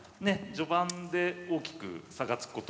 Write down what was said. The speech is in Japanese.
序盤で大きく差がつくこともなく。